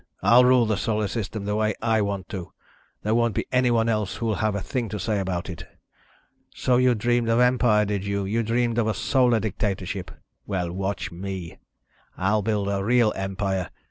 I'll rule the Solar System the way I want to. There won't be anyone else who'll have a thing to say about it. So you dreamed of empire, did you? You dreamed of a solar dictatorship. Well, watch me! I'll build a real empire.